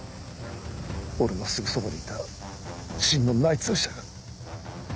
俺のすぐそばにいた真の内通者が。